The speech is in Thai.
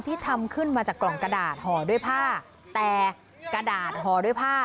ทำขึ้นมาจากกล่องกระดาษห่อด้วยผ้าแต่กระดาษห่อด้วยผ้า